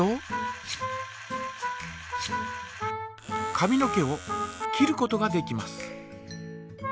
髪の毛を切ることができます。